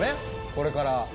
これから。